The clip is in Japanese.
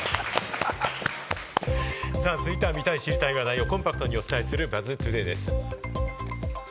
ここからは見たい、知りたい話題をコンパクトにお伝えする、ＢＵＺＺトゥデイです。